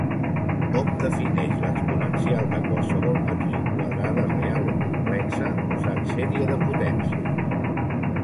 Hom defineix l'exponencial de qualsevol matriu quadrada real o complexa, usant sèrie de potències.